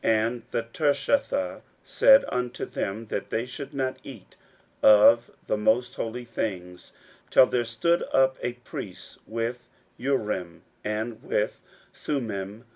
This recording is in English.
16:007:065 And the Tirshatha said unto them, that they should not eat of the most holy things, till there stood up a priest with Urim and Thummim.